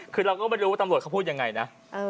คือเราก็ไม่รู้ว่าตำรวจเขาพูดยังไงนะ